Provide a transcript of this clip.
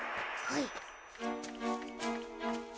はい。